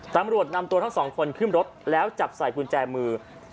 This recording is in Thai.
ตำรวจนำตัวทั้งสองคนขึ้นรถแล้วจับใส่กุญแจมือ